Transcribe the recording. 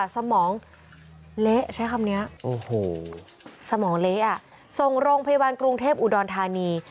สมองเละใช้คำนี้สมองเละอ่ะส่งโรงพยาบาลกรุงเทพฯอุดอนทานี